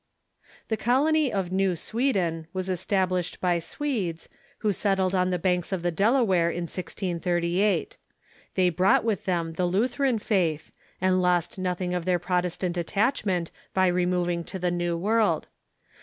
The Colony of New Sweden was established by Swedes, who settled on the banks of the Delaware in 1638. They brought with them the Lutheran faith, and lost nothing of their Prot estant attachment by removing to the New World.